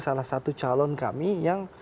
salah satu calon kami yang